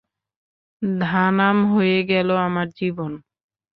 ধানাম হয়ে গেল আমার জীবন।